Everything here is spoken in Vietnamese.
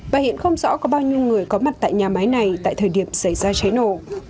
và hiện không rõ có bao nhiêu người có mặt tại nhà máy này tại thời điểm xảy ra cháy nổ